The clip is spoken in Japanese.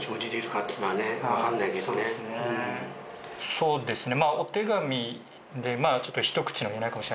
そうですね。